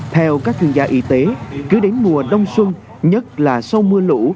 theo các chuyên gia y tế cứ đến mùa đông xuân nhất là sau mưa lũ